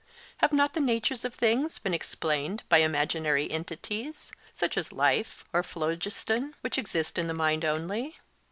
Have not the natures of things been explained by imaginary entities, such as life or phlogiston, which exist in the mind only?